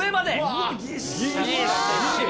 うわっ、ぎっしり。